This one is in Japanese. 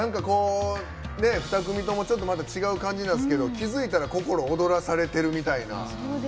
２組ともまたちょっと違う感じなんですけど気付いたら心躍らされてるみたいな。